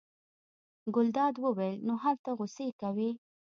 ګلداد وویل: نو هلته غوسې کوې.